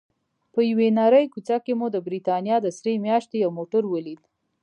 په یوې نرۍ کوڅه کې مو د بریتانیا د سرې میاشتې یو موټر ولید.